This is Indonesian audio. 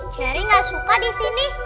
ceri gak suka disini